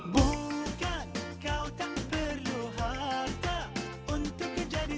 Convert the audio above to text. bukan kau tak perlu harta untuk menjadi